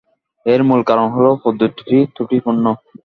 এর মূল কারণ হলো পদ্ধতিটিই ত্রুটিপূর্ণ।